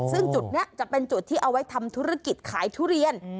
ซึ่งจุดนี้จะเป็นจุดที่เอาไว้ทำธุรกิจขายทุเรียน